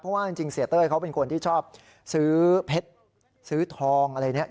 เพราะว่าจริงเสียเต้ยเขาเป็นคนที่ชอบซื้อเพชรซื้อทองอะไรเนี่ย